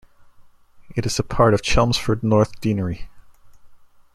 It is part of Chelmsford North Deanery.